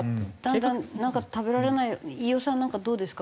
だんだんなんか食べられない飯尾さんなんかどうですか？